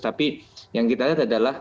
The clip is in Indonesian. tapi yang kita lihat adalah